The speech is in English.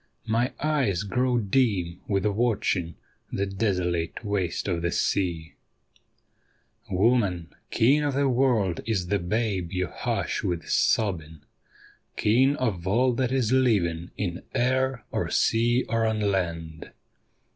My eyes grow dim with watching the desolate waste of the sea !' E 66 A CRY IN THE WORLD Woman, king of the world is the babe you hush with sobbing, King of all that is living in air or sea or on land.